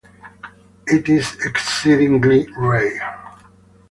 It is exceedingly rare.